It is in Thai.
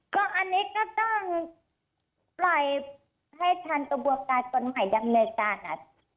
ก็อันนี้ก็ต้องปล่อยให้ทางตระบวกการตัวใหม่ดังเลยค่ะ